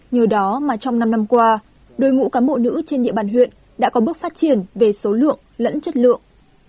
nhờ đó mà trong năm năm qua đội ngũ cán bộ nữ trên địa bàn huyện đã có bước phát triển về số lượng lẫn chất lượng